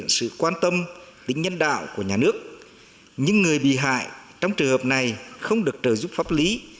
nhân đạo của nhà nước những người bị hại trong trường hợp này không được trợ giúp pháp lý